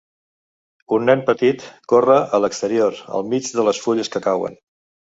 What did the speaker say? Un nen petit corre a l'exterior al mig de les fulles que cauen